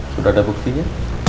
sudah ada buktinya